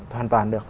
hoàn toàn được